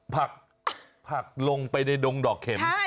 ผักลงไปในดงดอกเข็ม